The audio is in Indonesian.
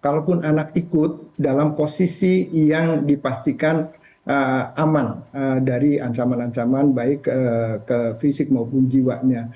kalaupun anak ikut dalam posisi yang dipastikan aman dari ancaman ancaman baik ke fisik maupun jiwanya